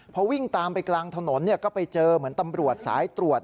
พอวิ่งตามไปกลางถนนก็ไปเจอเหมือนตำรวจสายตรวจ